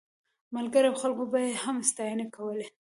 ملګرو او خلکو به یې هم ستاینې کولې.